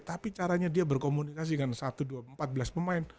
tapi caranya dia berkomunikasi dengan satu empat belas pemain